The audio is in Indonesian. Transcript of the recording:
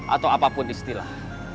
atau apapun istilah